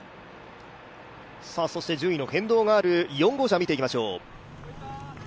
順位の変動がある４号車見ていきましょう。